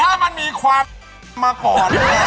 ถ้ามันมีควักมาก่อน